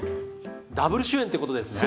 ダブル主演ってことですね。